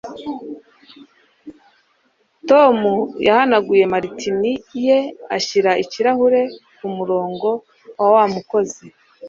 tom yahanaguye martini ye ashyira ikirahuri kumurongo wa wa mukozi